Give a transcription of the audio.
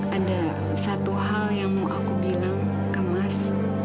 ada satu hal yang mau aku bilang ke mas